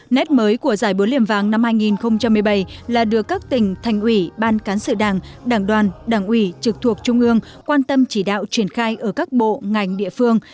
nét mới của giải búa liềm vàng năm hai nghìn một mươi bảy là được các tỉnh thành ủy ban cán sự đảng đảng đoàn đảng ủy trực thuộc trung ương quan tâm chỉ đạo triển khai ở các bộ ngành địa phương